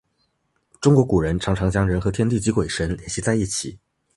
中国古人常常将人和天地及鬼神联系在一起。